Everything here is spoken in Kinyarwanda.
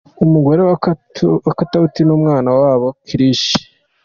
Umugore wa Katauti n'umwana wabo Krish!.